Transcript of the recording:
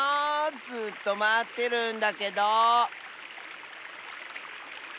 ずっとまってるんだけど。